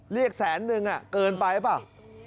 แสนนึงเกินไปหรือเปล่า